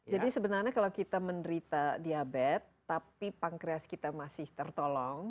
jadi sebenarnya kalau kita menderita diabetes tapi pankreas kita masih tertolong